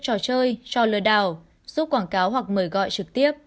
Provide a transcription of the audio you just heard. trò chơi trò lừa đảo giúp quảng cáo hoặc mời gọi trực tiếp